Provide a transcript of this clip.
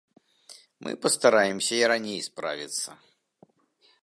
Мы пастараемся і раней справіцца.